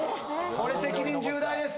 これ責任重大です